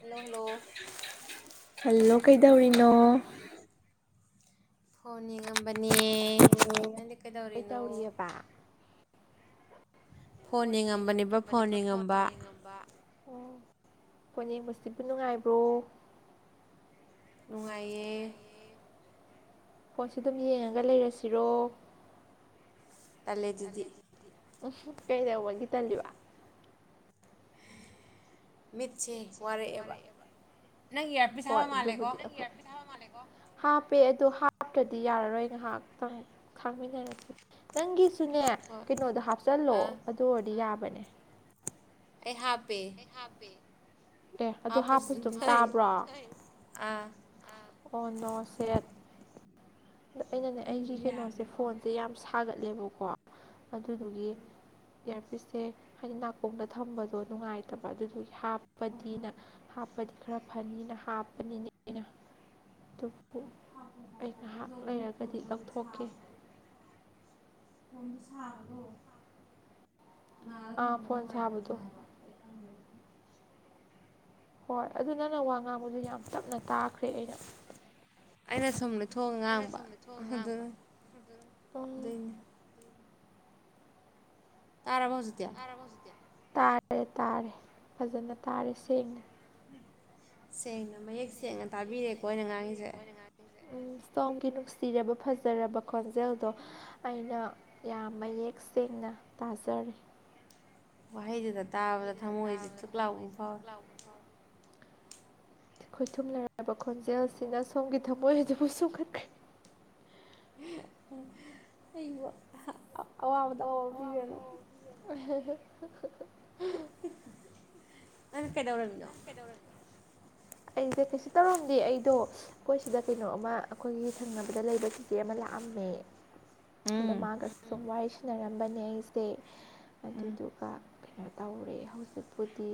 hello hello hello ꯀꯩꯗꯧꯔꯤꯅꯣ ꯀꯣꯟ ꯅꯤꯡꯉꯝꯕꯅꯤꯌꯦ ꯅꯪꯗꯤ ꯀꯩꯗꯧꯔꯤꯅꯣ ꯐꯣꯟꯅꯤꯡꯉꯝꯕꯅꯤꯕ ꯐꯣꯟꯅꯤꯡꯉꯝꯕ ꯀꯣꯅꯦꯛꯕꯁꯤꯕꯨ ꯅꯨꯡꯉꯥꯏꯕ꯭ꯔꯣ ꯅꯨꯡꯉꯥꯏꯌꯦ ꯄꯣꯠꯁꯤ ꯑꯗꯨꯝ ꯌꯦꯡꯉꯒ ꯂꯩꯔꯁꯤꯔꯣ ꯇꯂꯦ ꯑꯗꯨꯗꯤ ꯎ ꯀꯩꯗꯕꯒꯤ ꯇꯜꯂꯤꯕ ꯍꯣꯏ ꯍꯥꯞꯄꯦ ꯑꯗꯨ ꯍꯥꯞꯇ꯭ꯔꯗꯤ ꯌꯥꯔꯔꯣꯏ ꯉꯥꯏꯍꯥꯛꯇꯪ ꯈꯥꯡꯃꯤꯟꯅꯔꯁꯤ ꯅꯪꯒꯤꯁꯨꯅꯦ ꯀꯩꯅꯣꯗꯣ ꯍꯥꯞꯆꯤꯜꯂꯣ ꯑꯗꯨ ꯑꯣꯏꯔꯗꯤ ꯌꯥꯕꯅꯦ ꯑꯩꯍꯥꯞꯄꯦ ꯑꯦ ꯑꯗꯨ ꯍꯥꯞꯄꯁꯨ ꯑꯗꯨꯝ ꯇꯥꯕ꯭ꯔꯣ ꯑ ꯑꯣ ꯅꯣ ꯁꯦꯠ ꯑꯗꯣ ꯑꯩꯅꯅꯦ ꯑꯩꯒꯤ ꯀꯩꯅꯣꯁꯦ ꯐꯣꯟꯁꯦ ꯌꯥꯝ ꯁꯥꯒꯠꯂꯦꯕꯀꯣ ꯑꯗꯨꯗꯨꯒꯤ ꯏꯌꯥꯔꯄꯤꯁꯁꯦ ꯍꯥꯏꯗꯤ ꯅꯥꯀꯣꯡꯗ ꯊꯝꯕꯗꯣ ꯅꯨꯡꯉꯥꯏꯇꯦ ꯐꯠꯇꯕ ꯑꯗꯨꯗꯨꯒꯤ ꯍꯥꯞꯄꯗꯤꯅ ꯍꯥꯞꯄꯗꯤ ꯈꯔ ꯐꯅꯤꯅ ꯍꯥꯞꯄꯅꯤꯅꯦ ꯑꯩꯅ ꯑꯗꯨꯕꯨ ꯑꯩ ꯉꯥꯏꯍꯥꯛ ꯂꯩꯔꯒꯗꯤ ꯂꯧꯊꯣꯛꯀꯦ ꯐꯣꯟꯗꯣ ꯁꯥꯕꯗꯣ ꯅꯥꯗ ꯊꯝꯕ ꯅꯨꯡꯉꯥꯏꯇꯝꯅꯤ ꯍꯥꯏꯕ ꯑꯩ ꯍꯣꯏ ꯑꯗꯨ ꯅꯪꯅ ꯋꯥ ꯉꯥꯡꯕꯗꯨ ꯌꯥꯝ ꯇꯞꯅ ꯇꯥꯈ꯭ꯔꯦ ꯑꯩꯅ ꯑꯩꯅ ꯁꯨꯝ ꯑꯩꯅ ꯁꯣꯝꯗ ꯊꯣꯡꯉ ꯉꯥꯡꯕ ꯑꯗꯨ ꯇꯥꯔꯕꯣ ꯍꯧꯖꯤꯛꯇꯤ ꯇꯥꯔꯕꯣ ꯍꯧꯖꯤꯛꯇꯤ ꯇꯥꯔꯦ ꯇꯥꯔꯦ ꯐꯖꯅ ꯇꯥꯔꯦ ꯁꯦꯡꯅ ꯁꯦꯡꯅ ꯃꯌꯦꯛ ꯁꯦꯡꯅ ꯇꯥꯕꯤꯔꯦꯀꯣ ꯑꯩꯅ ꯉꯥꯡꯉꯤꯁꯦ ꯁꯣꯝꯒꯤ ꯅꯨꯡꯁꯤꯔꯕ ꯐꯖꯔꯕ ꯈꯣꯟꯖꯦꯜꯗꯣ ꯑꯩꯅ ꯌꯥꯝ ꯃꯌꯦꯛ ꯁꯦꯡꯅ ꯇꯥꯖꯔꯦ ꯋꯥꯍꯩꯗꯨꯗ ꯇꯥꯕꯗ ꯊꯝꯃꯣꯏꯁꯦ ꯊꯨꯛ ꯂꯥꯎꯕ ꯑꯃ ꯐꯥꯎꯋꯦ ꯈꯣꯏꯊꯨꯝ ꯅꯔꯕ ꯈꯣꯟꯖꯦꯜꯁꯤꯅ ꯁꯣꯝꯒꯤ ꯊꯝꯃꯣꯏ ꯑꯗꯨꯕꯨ ꯁꯣꯛꯃꯠꯈ꯭ꯔꯦ ꯑꯩꯕꯨ ꯑꯋꯥꯕꯗ ꯑꯋꯥꯕ ꯄꯤꯕꯤꯔꯅꯨ [inaudible] ꯅꯪ ꯀꯩꯗꯧꯔꯝꯃꯤꯅꯣ ꯑꯩꯁꯦ ꯀꯩꯁꯨ ꯇꯧꯔꯝꯗꯦ ꯑꯩꯗꯣ ꯑꯩꯈꯣꯏ ꯁꯤꯗ ꯀꯩꯅꯣ ꯑꯃ ꯑꯩꯈꯣꯏꯒꯤ ꯊꯪꯅꯕꯗ ꯂꯩꯕ ꯆꯤꯆꯦ ꯑꯃ ꯂꯥꯛꯑꯝꯃꯦ ꯑꯗꯣ ꯃꯥꯒꯁꯨ ꯁꯨꯝ ꯋꯥꯔꯤ ꯁꯟꯅꯔꯝꯕꯅꯦ ꯑꯩꯁꯦ ꯑꯗꯨꯗꯨꯒ ꯀꯩꯅꯣ ꯇꯧꯔꯦ ꯍꯧꯖꯤꯛꯄꯨꯗꯤ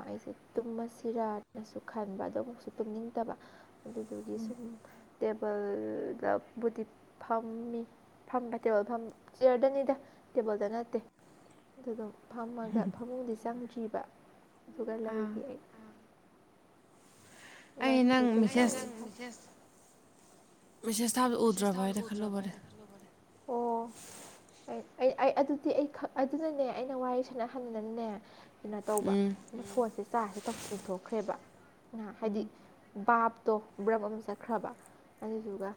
ꯑꯩꯁꯦ ꯇꯨꯝꯃꯁꯤꯔꯅꯁꯨ ꯈꯟꯕ ꯑꯗꯨ ꯑꯃꯨꯛꯁꯨ ꯇꯨꯝꯅꯤꯡꯗꯕ ꯑꯗꯨꯗꯨꯒꯤ ꯁꯨꯝ ꯇꯦꯕꯜꯗꯕꯨꯗꯤ ꯐꯝꯃꯤ ꯐꯝꯕꯗꯣ ꯐꯝ ꯆꯤꯌꯔꯗꯅꯤꯗ ꯇꯦꯕꯜꯗ ꯅꯠꯇꯦ ꯑꯗꯨꯗꯨꯝ ꯐꯝꯃꯒ ꯐꯃꯨꯡꯗꯤ ꯆꯪꯗ꯭ꯔꯤꯕ ꯑꯗꯨꯒ ꯂꯩ ꯅꯪꯗꯤ ꯀꯩꯗꯧꯔꯤꯅꯣ [unintelligible] ꯃꯤꯁꯦꯁ ꯊꯥꯕꯗꯨ ꯎꯗ꯭ꯔꯕ ꯍꯥꯏꯅ ꯈꯜꯂꯨꯕꯅꯦ ꯑꯣ ꯑꯩ ꯑꯩ ꯑꯗꯨꯗꯤ ꯑꯩ ꯑꯗꯨꯅꯅꯦ ꯑꯩꯅ ꯋꯥꯔꯤ ꯁꯥꯟꯅꯍꯟꯗꯅꯅꯦ ꯀꯩꯅꯣ ꯇꯧꯕ ꯑ ꯐꯣꯟꯁꯦ ꯆꯥꯔꯖꯁꯦ ꯇꯧꯁꯤꯟꯊꯣꯛꯈ꯭ꯔꯦꯕ ꯉ ꯍꯥꯏꯗꯤ ꯕꯥꯞꯇꯣ ꯕ꯭ꯔꯞ ꯑꯃ ꯆꯠꯈ꯭ꯔꯕ ꯑꯗꯨꯗꯨꯒ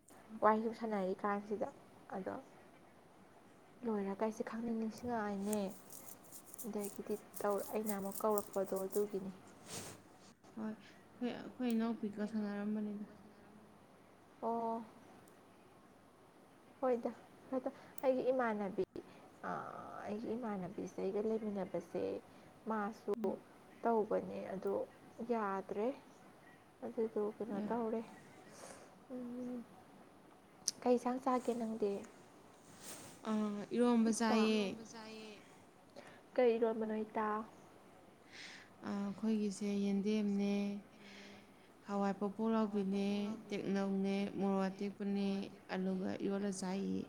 ꯋꯥꯔꯤ ꯁꯨꯝ ꯁꯥꯟꯅꯔꯤ ꯀꯥꯟꯁꯤꯗ ꯑꯗꯣ ꯂꯣꯏꯔꯒ ꯑꯩꯁꯦ ꯈꯪꯅꯤꯡ ꯅꯤꯡꯁꯤꯡꯉꯛꯑꯦꯅꯦ ꯑꯗꯒꯤꯗꯤ ꯑꯩꯅ ꯑꯃꯨꯛ ꯀꯧꯔꯛꯄꯗꯣ ꯑꯗꯨꯒꯤꯅꯤ ꯍꯣꯏ ꯑꯈꯣꯏ ꯑꯈꯣꯏ ꯏꯅꯥꯎꯄꯤꯒ ꯁꯥꯟꯅꯔꯝꯕꯅꯤꯗ ꯑꯣ ꯍꯣꯏꯗ ꯍꯣꯢꯗ ꯑꯩꯒꯤ ꯏꯃꯥꯟꯅꯕꯤ ꯑꯥ ꯑꯩꯒꯤ ꯏꯃꯥꯟꯅꯕꯤꯁꯦ ꯑꯩꯒ ꯂꯩꯃꯤꯟꯅꯕꯁꯦ ꯃꯥꯁꯨ ꯇꯧꯕꯅꯦ ꯑꯗꯨ ꯌꯥꯗ꯭ꯔꯦ ꯑꯗꯨꯗꯣ ꯀꯩꯅꯣ ꯇꯧꯔꯦ ꯎꯝ ꯀꯩꯁꯥꯡ ꯆꯥ ꯀꯦ ꯅꯪꯗꯤ ꯑꯥ ꯏꯔꯣꯝ ꯏꯇꯥ ꯀꯩꯔꯣꯟꯕꯅꯣ ꯏꯇꯥ ꯑꯩꯈꯣꯏꯒꯤꯁꯦ ꯌꯦꯟꯗꯦꯝꯅꯦ [unintelligible] ꯍꯋꯥꯏ ꯄꯄ ꯂꯥꯎꯕꯤꯅꯦ ꯇꯦꯛꯅꯧꯅꯦ ꯃꯣꯔꯣꯛ ꯑꯇꯦꯛꯄꯅꯦ ꯑꯗꯨꯒ ꯏꯣꯠꯂ ꯆꯥꯏꯌꯦ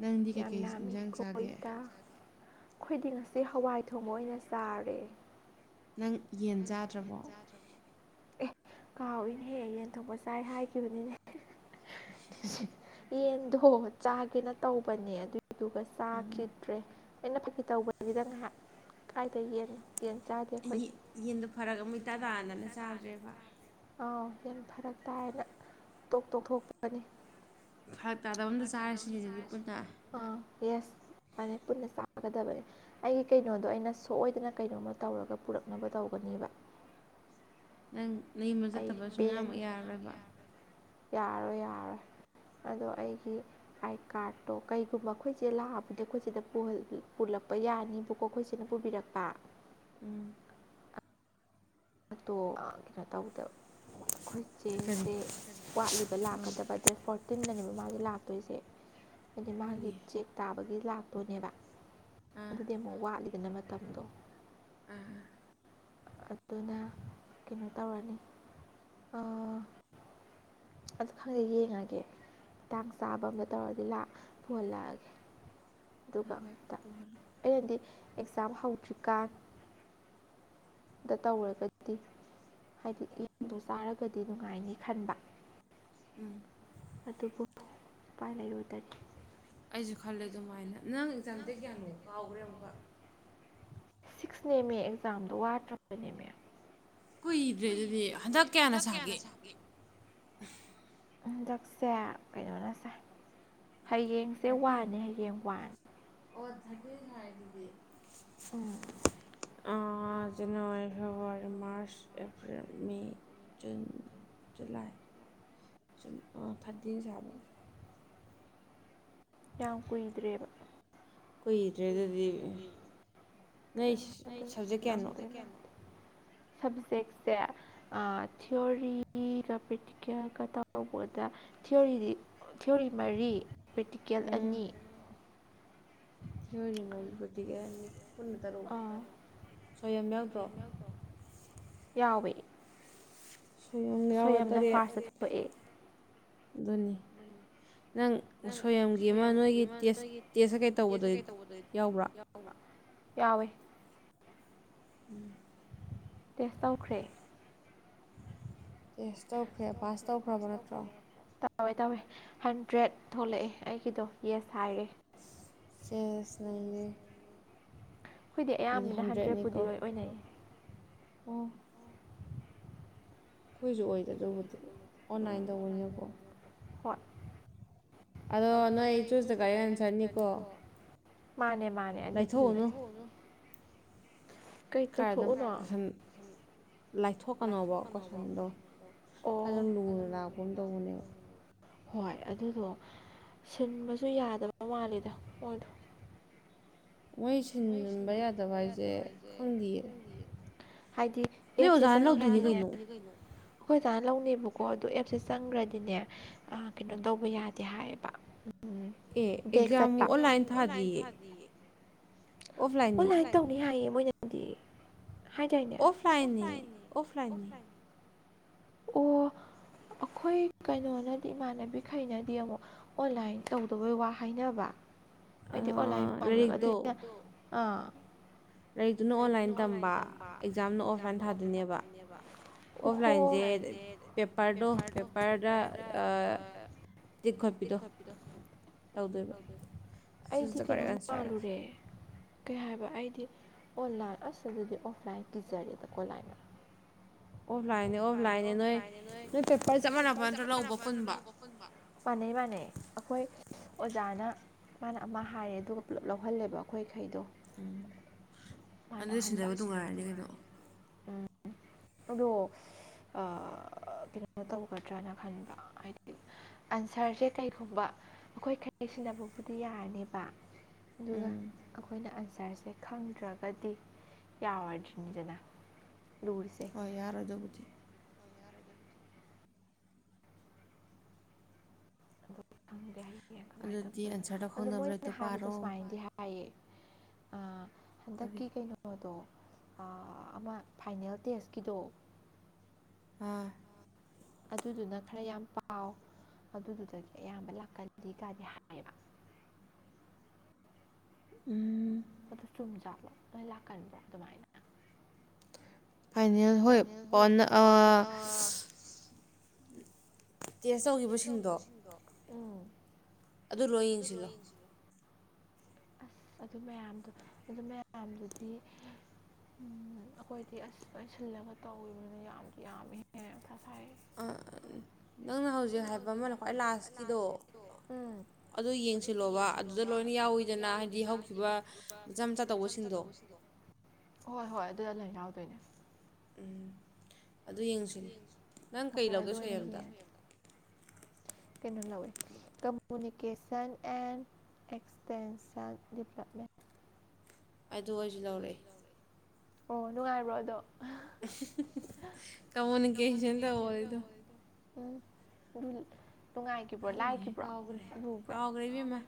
ꯅꯪꯗꯤ ꯀꯩꯀꯩ ꯏꯟꯁꯥꯡ ꯆꯥꯒꯦ ꯑꯩꯈꯣꯏꯗꯤꯡ ꯑꯁꯤ ꯍꯋꯥꯏ ꯊꯣꯡꯕ ꯑꯣꯏꯅ ꯆꯥꯔꯦ ꯅꯪ ꯌꯦꯟ ꯆꯥꯗ꯭ꯔꯕꯣ ꯑꯦ ꯀꯥꯎꯏꯅꯦ ꯍꯦꯛ ꯌꯦꯟꯊꯣꯛꯄ ꯆꯥꯏ ꯍꯥꯏꯈꯤꯕꯅꯤꯅꯦ [unintelligible] ꯌꯦꯟꯗꯣ ꯆꯥꯒꯦꯅ ꯇꯧꯕꯅꯦ ꯑꯗꯨꯏꯗꯨꯒ ꯆꯥꯈꯤꯗ꯭ꯔꯦ ꯑꯩꯅ ꯐꯥꯛꯀꯤ ꯇꯧꯕꯒꯤꯗ ꯉꯥꯏꯍꯥꯛ ꯀꯥꯏꯗ ꯌꯦꯟꯣ ꯌꯦꯟ ꯆꯥꯗꯦ ꯑꯩꯈꯣꯏꯒꯤ ꯌꯦꯟꯗꯣ ꯐꯔꯒ ꯃꯨꯇꯥ ꯇꯥꯟꯗꯅ ꯆꯥꯗ꯭ꯔꯦꯕ ꯑꯥꯎ ꯍꯦꯟꯅ ꯐꯔꯛ ꯇꯥꯏꯅ ꯇꯣꯛ ꯇꯣꯛꯊꯣꯛꯇꯕꯅꯤ ꯐꯔꯛ ꯇꯥꯗꯕ ꯑꯗ ꯆꯥꯔꯁꯤꯅꯦ ꯑꯗꯨꯗꯤ ꯄꯨꯟꯅ ꯑꯥ ꯌꯦꯁ ꯐꯅꯤ ꯄꯨꯟꯅ ꯆꯥꯒꯗꯕꯅꯦ ꯑꯩꯒꯤ ꯀꯩꯅꯣꯗꯣ ꯑꯩꯅ ꯁꯣꯏꯗꯅ ꯀꯩꯅꯣꯝꯃ ꯇꯧꯔꯒ ꯄꯨꯔꯛꯅꯕ ꯇꯧꯒꯅꯦꯕ ꯅꯪ ꯅꯕ ꯆꯠꯇꯕꯁꯨ ꯉꯥꯃꯛ ꯌꯥꯔꯔꯣꯏꯕ ꯌꯥꯔꯣꯏ ꯌꯥꯔꯣꯏ ꯑꯗꯣ ꯑꯩꯒꯤ ꯑꯥꯏ ꯀꯥꯔꯠꯇꯣ ꯀꯩꯒꯨꯝꯕ ꯑꯩꯈꯣꯏꯁꯦ ꯂꯥꯛꯑꯕꯗꯤ ꯑꯩꯈꯣꯏꯁꯤꯗ ꯄꯨꯜꯂꯛꯄ ꯌꯥꯅꯤ ꯀꯣ ꯑꯩꯈꯣꯏꯁꯤꯅ ꯄꯨꯕꯤꯔꯛꯄ ꯎꯝ ꯠꯇꯣ ꯀꯩꯅꯣ ꯇꯧꯗꯕ ꯑꯩꯈꯣꯏ ꯆꯦꯁꯦ ꯋꯥꯠꯂꯤꯕ ꯂꯥꯛꯀꯗꯕ ꯗꯦꯠ ꯐꯣꯔ ꯇꯤꯟꯗꯅꯦꯕ ꯃꯥꯁꯦ ꯂꯥꯛꯇꯣꯏꯁꯦ ꯍꯥꯏꯗꯤ ꯃꯥꯒꯤ ꯆꯦꯛ ꯇꯥꯕꯒꯤ ꯂꯥꯛꯇꯣꯏꯅꯦꯕ ꯑꯗꯨꯗꯤ ꯑꯃꯨꯛ ꯋꯥꯠꯂꯤꯗꯅ ꯃꯇꯝꯗꯣ ꯎꯝ ꯑꯗꯨꯅ ꯀꯩꯅꯣ ꯇꯧꯔꯅꯤ ꯑꯗꯨ ꯈꯪꯗꯦ ꯌꯦꯡꯉꯒꯦ ꯃꯇꯥꯡ ꯆꯥꯕ ꯑꯃꯝꯗ ꯇꯧꯔꯗꯤ ꯂꯥꯛ ꯄꯨꯍꯜꯂꯛꯑꯒꯦ ꯑꯗꯨꯒ ꯑꯩꯅꯗꯤ ꯑꯦꯛꯖꯥꯝ ꯍꯧꯗ꯭ꯔꯤꯀꯥꯟ ꯗ ꯇꯧꯔꯒꯗꯤ ꯍꯥꯏꯗꯤ ꯌꯦꯟꯗꯣ ꯆꯥꯔꯒꯗꯤ ꯅꯨꯡꯉꯥꯏꯅꯤ ꯈꯟꯕ ꯎꯝ ꯑꯗꯨꯕꯨ ꯎ ꯄꯥꯏ ꯂꯩꯌꯨꯗꯔꯤ ꯑꯩꯁꯨ ꯈꯜꯂꯦ ꯑꯗꯨꯃꯥꯏꯅ ꯅꯪ ꯑꯦꯛꯖꯥꯝꯗ ꯒ꯭ꯌꯥꯅꯣꯛ ꯀꯥꯎꯈ꯭ꯔꯦ ꯑꯃꯨꯛꯀ ꯁꯤꯛꯁꯅꯦꯃꯦ ꯑꯦꯛꯖꯥꯝꯗꯣ ꯋꯥꯗ꯭ꯔꯕꯅꯦꯃꯦ ꯀꯨꯏꯗ꯭ꯔꯦ ꯑꯗꯨꯗꯤ ꯍꯟꯗꯛ ꯀꯌꯥꯅ ꯁꯥꯒꯦ ꯍꯟꯗꯛꯁꯦ ꯀꯩꯅꯣꯅꯁꯦ ꯍꯌꯦꯡ ꯁꯦ ꯋꯥꯟꯅꯅꯦ ꯍꯌꯦꯡ ꯋꯥꯟ ꯑ ꯆꯅꯣ February March April May June July ꯑ ꯊꯥꯗꯤ ꯆꯕ ꯌꯥꯝ ꯀꯨꯏꯗ꯭ꯔꯦꯕ ꯀꯨꯏꯗ꯭ꯔꯦ ꯑꯗꯨꯗꯤ ꯅꯣꯏ ꯁꯕꯖꯦꯛ ꯀꯌꯥꯅꯣ ꯁꯁꯦꯁꯦ ꯑ ꯊꯤꯑꯣꯣꯔꯤꯒ ꯄꯦꯛꯇꯤꯀꯦꯜꯒ ꯇꯗ ꯊꯤꯑꯣꯣꯔꯤꯗꯤ ꯊꯤꯑꯣꯔꯤ ꯃꯔꯤ ꯄ꯭ꯔꯦꯛꯇꯤꯀꯦꯜ ꯑꯅꯤ ꯌꯔꯤ ꯃꯔꯤꯤ ꯀꯅꯤ ꯑꯥ ꯌꯥꯎꯋꯦ ꯈꯌ ꯌꯥꯎꯔ ꯇꯔꯦꯠ ꯑꯗꯨꯅꯤ ꯅꯪ ꯁꯣꯌꯝꯒꯤ ꯑꯃ ꯅꯣꯏꯒꯤ ꯇꯦꯁ ꯇꯦꯁ ꯀꯩ ꯇꯧꯕꯗ ꯌꯥꯎꯕ꯭ꯔꯥ ꯌꯥꯎꯋꯦ ꯎꯝ [inaudible] ꯇꯦꯁ ꯇꯧꯈ꯭ꯔꯦ ꯇꯦꯁ ꯇꯧꯈ꯭ꯔꯦ ꯄꯥꯁ ꯇꯧꯈ꯭ꯔꯕ ꯅꯠꯇ꯭ꯔꯣ ꯇꯧꯋꯦ ꯇꯧꯋꯦ ꯍꯟꯗ꯭ꯔꯦꯠ ꯊꯣꯛꯂꯛꯑꯦ ꯑꯩꯒꯤꯗꯣ ꯌꯦꯁ ꯍꯥꯏꯔꯦ ꯁꯦꯁ ꯅꯩꯔꯦ ꯑꯩꯈꯣꯏꯗꯤ ꯑꯌꯥꯝꯕꯅ ꯍꯟꯗ꯭ꯔꯦꯠꯄꯨꯗꯤ ꯂꯣꯏ ꯑꯣꯏꯅꯩꯌꯦ ꯑꯣ ꯑꯩꯈꯣꯏꯁꯨ ꯑꯣꯏꯗ ꯑꯗꯨꯕꯨꯗꯤ ꯑꯣꯟꯂꯥꯏꯟ ꯇꯧꯕ ꯑꯣꯏꯅꯀꯣ ꯍꯣꯢ ꯑꯗꯣ ꯅꯣꯏ ꯆꯨꯁꯇ ꯀꯔꯦꯛ ꯑꯟꯁꯔꯅꯤꯀꯣ ꯃꯥꯅꯦ ꯃꯥꯅꯦ ꯂꯥꯏ ꯊꯣꯛ ꯎꯅꯨ ꯀꯩ ꯇꯧꯊꯣꯛꯎꯅꯣ ꯂꯥꯛ ꯊꯀ ꯅ ꯀ [inaudible] ꯍꯣꯏ ꯑꯗꯨꯗꯣ ꯁꯤꯟꯕꯁꯨ ꯌꯥꯗꯕ ꯃꯥꯂꯦꯗ ꯃꯣꯏꯗꯣ ꯃꯣꯏ ꯁꯤꯟꯕ ꯌꯥꯗꯕ ꯍꯥꯏꯁꯦ ꯈꯪꯗꯤꯌꯦ ꯍꯥꯏꯗꯤ ꯑꯦꯞꯁꯦ ꯆꯪꯔ ꯑꯩꯈꯣꯏ ꯑꯣꯖꯥꯅ ꯂꯧꯅꯦꯕꯀꯣ ꯑꯗꯨ ꯑꯦꯞꯁꯦ ꯆꯪꯈ꯭ꯔꯗꯤꯅꯦ ꯀꯩꯅꯣ ꯇꯧꯕ ꯌꯥꯗꯦ ꯍꯥꯏꯌꯦꯕ ꯑꯦ ꯑꯦꯛꯖꯥꯝ ꯑꯣꯟꯂꯥꯏꯟ ꯊꯥꯗꯤꯌꯦ ꯑꯣꯟꯂꯥꯏꯟ ꯇꯧꯅꯤ ꯍꯥꯏꯌꯦ ꯃꯣꯏꯅꯗꯤ ꯍꯥꯏꯗꯥꯏꯅꯦ ꯑꯣ ꯑꯩꯈꯣꯏ ꯀꯩꯅꯣꯅꯗꯤ ꯏꯃꯥꯟꯅꯕꯤ ꯈꯩꯅꯗꯤ ꯑꯃꯨꯛ ꯑꯣꯟꯂꯥꯏꯟ ꯇꯧꯗꯕꯩ ꯋꯥ ꯍꯥꯏꯅꯕ ꯑꯩꯗꯤ ꯑꯣꯟꯂꯥꯏꯟ ꯄꯥꯜꯂꯨꯔꯒꯗꯤ ꯑꯥ ꯂꯥꯏꯔꯤꯛꯇꯨꯅ ꯑꯣꯟꯂꯥꯏꯟ ꯇꯝꯕ ꯑꯦꯛꯖꯥꯝꯅ ꯑꯣꯐꯂꯥꯏꯟ ꯊꯥꯗꯣꯏꯅꯦꯕ ꯑꯣꯐꯂꯥꯏꯟꯁꯦ ꯄꯦꯄꯔꯗꯣ ꯄꯦꯄꯔꯗ ꯈꯣꯕꯤꯤꯔꯣ ꯍꯗ [inaudible] ꯑꯩꯗꯤ ꯀꯩꯅꯣꯝ ꯃꯥꯜꯂꯨꯔꯦ ꯀꯩ ꯍꯥꯏꯕ ꯑꯩꯗꯤ ꯑꯣꯟꯂꯥꯏꯟ ꯑꯁ ꯑꯗꯨꯗꯤ ꯑꯣꯐꯂꯥꯏꯟ ꯄꯤꯖꯔꯦꯗꯀꯣꯂꯥꯏꯟ ꯑꯣꯐꯂꯥꯏꯟꯅꯦ ꯑꯣꯐꯂꯥꯏꯟꯅꯦ ꯅꯣꯏ ꯅꯣꯏ ꯄꯦꯄꯔ ꯆꯞ ꯃꯥꯟꯅꯕ ꯅꯠꯇ꯭ꯔꯣ ꯂꯧꯕ ꯄꯨꯟꯕ ꯃꯥꯅꯩ ꯃꯥꯥꯅꯩ ꯑꯩꯈꯣꯏ ꯑꯣꯖꯥꯅ ꯃꯥꯅ ꯑꯃ ꯍꯥꯏꯔꯦ ꯑꯗꯨꯒ ꯄꯨꯂꯞ ꯂꯧꯍꯜꯂꯦꯕ ꯑꯩꯈꯣꯏꯈꯩꯗꯣ ꯎꯝ ꯃꯥꯅ ꯍ ꯎꯝ ꯑꯗꯣ [inaudible] ꯀꯩꯅꯣ ꯇꯧꯒꯗ꯭ꯔꯥꯅ ꯈꯟꯕ ꯍꯥꯏꯗꯤ ꯑꯟꯁꯔꯁꯦ ꯀꯩꯒꯨꯝꯕ ꯑꯩꯈꯣꯏ ꯈꯩ ꯁꯤꯟꯅꯕꯕꯨꯗꯤ ꯌꯥꯔꯅꯦꯕ ꯑꯗꯨꯒ ꯑꯩꯈꯣꯏꯅ ꯑꯟꯁꯥꯔꯁꯦ ꯈꯪꯗ꯭ꯔꯒ ꯀꯗꯤ ꯌꯥꯔꯣꯢꯗꯧꯔꯤꯅꯤꯗꯅꯥ ꯂꯨꯔꯤꯁꯦ ꯍꯣꯏ ꯌꯥꯔꯣꯏ ꯑꯗꯨꯕꯨꯗꯤ ꯈꯪꯗꯦ ꯍꯥꯏꯌꯦ ꯀꯃꯥꯏꯅ ꯇꯧꯗꯣꯏꯅꯣ ꯑꯗꯣ ꯃꯣꯏꯅ ꯍꯥꯏꯕꯗ ꯁꯨꯃꯥꯏꯅꯗꯤ ꯍꯥꯏ ꯍꯥꯢꯌꯦ ꯑ ꯍꯟꯗꯛꯀꯤ ꯀꯩꯅꯣ ꯀꯩꯅꯣꯗꯣ ꯑꯃ ꯐꯥꯏꯅꯦꯜ ꯇꯦꯁꯀꯤꯗꯣ ꯑꯥ ꯑꯗꯨꯗꯨꯅ ꯈꯔ ꯌꯥꯝ ꯄꯥꯎ ꯑꯗꯨꯗꯨꯗꯒꯤ ꯑꯌꯥꯝꯕ ꯂꯥꯛꯀꯅꯤ ꯀꯥꯢꯗꯤ ꯍꯥꯏꯌꯦꯕ ꯎꯝ ꯃꯗꯨ ꯆꯨꯝꯖꯥꯠꯂꯣ ꯅꯣꯏ ꯂꯥꯛꯀꯟꯕ꯭ꯔꯣ ꯑꯗꯨꯃꯥꯏꯅ ꯐꯥꯏꯅꯦꯜ ꯍꯣꯏ ꯄ ꯇꯦꯁ ꯇꯧꯈꯤꯕꯁꯤꯡꯗꯣ ꯎꯝ ꯑꯗꯨ ꯂꯣꯏ ꯌꯦꯡꯁꯤꯜꯂꯣ ꯑꯗꯨ ꯃꯌꯥꯝꯗꯣ ꯑꯗꯨ ꯃꯌꯥꯝꯗꯨꯗꯤ ꯎꯝ ꯑꯩꯈꯣꯏꯗꯤ ꯑꯁ ꯁꯤꯜꯂꯒ ꯇꯧꯕꯅꯤꯅ ꯌꯥꯝꯗꯤ ꯌꯥꯝꯃꯤ ꯅꯪꯅ ꯍꯧꯖꯤꯛ ꯍꯥꯏꯕ ꯑꯃꯅ ꯈ꯭ꯋꯥꯏ ꯂꯥꯁꯀꯤꯗꯣ ꯎꯝ ꯑꯗꯨ ꯌꯦꯡꯁꯤꯜꯂꯣꯕ ꯑꯗꯨꯗ ꯂꯣꯏꯅ ꯌꯥꯎꯋꯤꯗꯅ ꯍꯥꯏꯗꯤ ꯍꯧꯈꯤꯕ ꯃꯆꯥ ꯃꯆꯥ ꯇꯧꯕꯁꯤꯡꯗꯣ ꯍꯣꯏ ꯍꯣꯏ ꯑꯗꯨꯗ ꯂꯥꯏꯅꯥꯎꯗꯣꯏꯅꯦ ꯎꯝ ꯑꯗꯨ ꯌꯦꯡꯁꯤ ꯍꯣꯏ ꯑꯗꯨ ꯑ ꯀꯩꯅꯣ ꯂꯧꯋꯦ ꯀꯃꯨꯅꯤꯀꯦꯁꯟ ꯑꯦꯟ ꯑꯦꯛꯁꯄꯦꯟꯁꯟ ꯗꯤꯄꯥꯂꯞꯃꯦꯟ ꯑꯗꯨ ꯑꯣꯏꯔꯁꯨ ꯂꯧꯔꯛꯑꯦ ꯑꯣ ꯅꯨꯡꯉꯥꯏꯕ꯭ꯔꯣ ꯑꯗꯣ ꯀꯃꯨꯅꯤꯀꯦꯁꯟꯗ ꯑꯣꯏꯣꯏꯗꯣ ꯎꯝꯜ ꯇꯨꯡꯉꯥꯏ ꯑꯒꯅꯤ ꯀꯥꯎꯒ꯭ꯔꯦ ꯀꯥꯎꯒ꯭ꯔꯦꯕꯤ ꯃ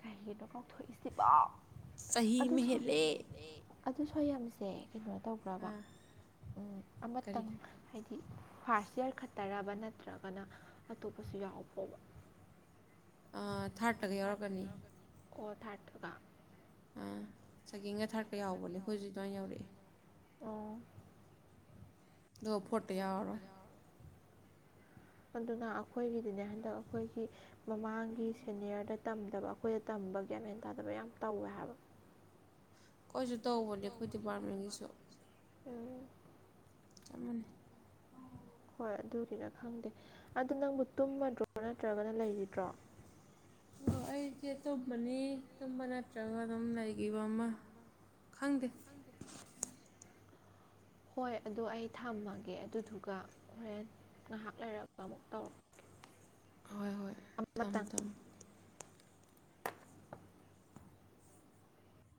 ꯀꯩ ꯍꯦꯟꯅꯣ ꯀꯥꯎꯊꯣꯛꯏꯁꯤꯕ ꯑꯗꯨꯁꯨꯡ ꯍꯦꯜꯂꯤ ꯑꯗꯨ ꯁꯣꯏ ꯌꯥꯝꯁꯦ ꯀꯩꯅꯣ ꯇꯧꯈ꯭ꯔꯕ ꯎꯝ ꯑꯃꯇꯪ ꯍꯥꯏꯗꯤ ꯐꯥꯔꯁ ꯏꯌꯥꯔ ꯈꯠꯇꯔꯕ ꯅꯠꯇ꯭ꯔꯒꯅ ꯑꯇꯣꯞꯄꯁꯨ ꯌꯥꯎ ꯐꯣꯕ ꯊꯥꯔꯠꯇꯒ ꯌꯥꯎꯔꯛꯀꯅꯤ ꯀꯣ ꯊꯥꯠꯊꯒ ꯆꯒꯡꯒ ꯊꯥꯔꯛꯀ ꯌꯥꯎꯕꯅꯦ ꯑꯩꯈꯣꯏꯁꯨ ꯑꯗꯨꯃꯥꯏꯅ ꯌꯧꯔꯛꯑꯦ ꯑꯣ ꯑꯗ ꯐꯣꯠꯇꯣ ꯌꯥꯎꯔꯔꯣꯏ ꯑꯗꯨꯅ ꯑꯩꯈꯣꯏꯒꯤꯗꯤꯅꯦ ꯍꯟꯗꯛ ꯑꯩꯈꯣꯏꯒꯤ ꯃꯃꯥꯡꯒꯤ ꯁꯦꯅꯤꯌꯔꯗ ꯇꯝꯗꯕ ꯑꯩꯈꯣꯏꯗ ꯇꯝꯕ ꯒ꯭ꯌꯥꯃꯦꯟ ꯇꯥꯗꯕ ꯌꯥꯝ ꯇꯧꯋꯦ ꯍꯥꯏꯕ ꯑꯩꯈꯣꯏꯁꯨ ꯇꯧꯕꯅꯦ ꯑꯩꯈꯣꯏ ꯗꯤꯄꯥꯔꯠꯃꯦꯟꯒꯤꯁꯨ ꯎꯝ ꯆꯞ ꯑꯃꯅꯤ ꯍꯣꯏ ꯑꯗꯨꯒꯤꯅ ꯈꯪꯗꯦ ꯑꯗꯨ ꯅꯪꯕꯨ ꯇꯨꯝꯃꯗ꯭ꯔꯣ ꯅꯠꯇ꯭ꯔꯒꯅ ꯂꯩꯔꯤꯗ꯭ꯔꯣ ꯑꯣ ꯑꯩꯁꯦ ꯇꯨꯝꯕꯅꯤ ꯇꯨꯝꯕ ꯅꯠꯇ꯭ꯔꯒ ꯑꯗꯨꯝ ꯂꯩꯈꯤꯕ ꯑꯃ ꯈꯪꯗꯦ ꯍꯣꯏ ꯑꯗꯣ ꯑꯩ ꯊꯝꯃꯒꯦ ꯑꯗꯨꯗꯨꯒ ꯍꯣꯔꯦꯟ ꯉꯥꯏꯍꯥꯛ ꯂꯩꯔꯛꯒ ꯑꯃꯨꯛ ꯇꯧꯔꯛꯒꯦ ꯑꯃꯇꯪ